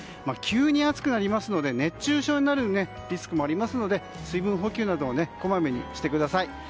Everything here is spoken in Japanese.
急に暑くなりますので熱中症になるリスクもありますので水分補給などをこまめにしてください。